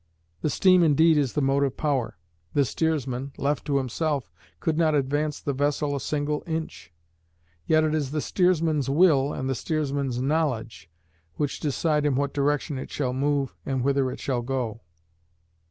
The steam indeed is the motive power; the steersman, left to himself, could not advance the vessel a single inch; yet it is the steersman's will and the steersman's knowledge which decide in what direction it shall move and whither it shall go.